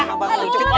abang ucup aja